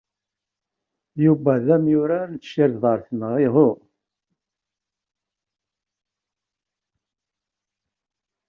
Yuba d amurar n tcirḍart, neɣ uhu?